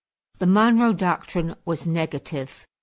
The Monroe Doctrine was negative.